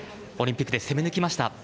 オリンピックで攻め抜きました。